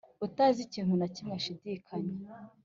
utazi ikintu na kimwe ashidikanya.